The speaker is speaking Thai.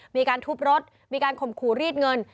มีการทุบรถมีการข่มขู่รีดเงิน